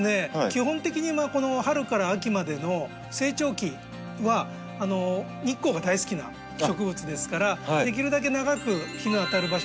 基本的にこの春から秋までの成長期は日光が大好きな植物ですからできるだけ長く日の当たる場所で管理して頂く。